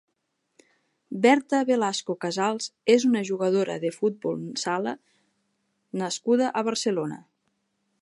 Berta Velasco Casals és una jugadora de futbol sala nascuda a Barcelona.